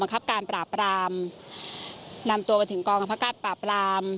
มาครับการปราบรามลำตัวมาถึงกองอภักษ์ปราบราม